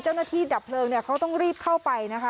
เจ้าหน้าที่ดับเปลืองเขาต้องรีบเข้าไปนะคะ